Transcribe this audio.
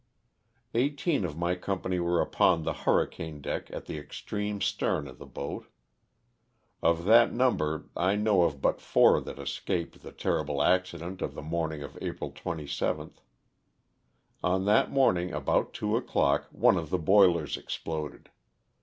Eighteen of my company were upon the hurricane deck at the extreme stern of the boat. Of that num ber I know of but four that escaped the terrible acci dent of the morning of April 27th. On that morn ing, about two o'clock, one of the boilers exploded.